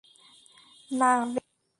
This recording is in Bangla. না, বেথ।